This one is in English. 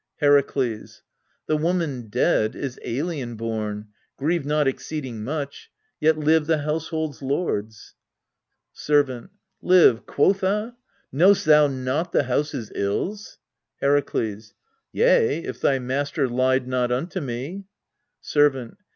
ALCESTIS 225 Herakles. The woman dead is alien born : grieve not Exceeding much. Yet live the household's lords. Servant. Live, quotha ! knowst thou not the house's ills? Herakles. Yea, if thy master lied not unto me. Servant.